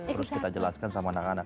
terus kita jelaskan sama anak anak